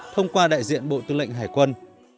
thông qua đại diện bộ tư lệnh hải quân